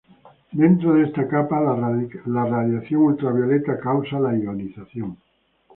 Dentro de esta capa, la radiación ultravioleta causa la ionización.